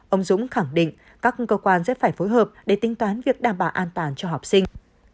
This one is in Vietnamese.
ông dũng khẳng định các cơ quan sẽ phải phối hợp để tính toán việc đảm bảo an toàn cho học sinh